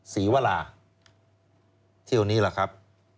ศรีวราเที่ยวนี้แหละครับ